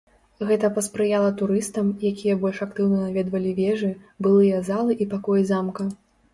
Гэта паспрыяла турыстам, якія больш актыўна наведвалі вежы, былыя залы і пакоі замка.